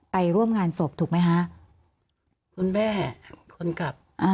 ไปร่วมงานศพถูกไหมฮะคุณแม่คนกลับอ่า